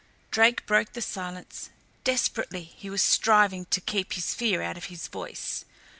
Drake broke the silence; desperately he was striving to keep his fear out of his voice.